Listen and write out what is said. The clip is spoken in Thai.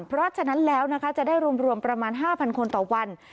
เพราะฉะนั้นแล้วนะคะจะได้รวมประมาณ๕๐๐คนต่อวัน